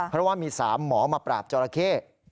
เพราะว่ามี๓หมอมาปราบจอราเข้